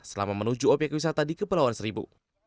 selama menuju obyek wisata di kepulauan seribu